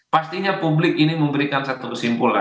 pastinya publik ini memberikan satu kesimpulan